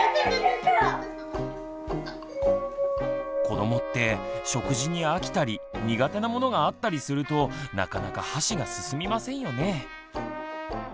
子どもって食事に飽きたり苦手なものがあったりするとなかなか箸が進みませんよね。